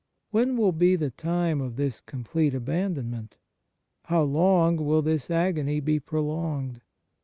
When will be the time of this complete abandonment ? How long will this agony be prolonged